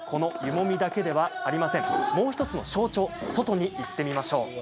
もう１つの象徴外に行ってみましょう。